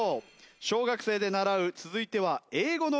小学生で習う続いては英語のクイズです。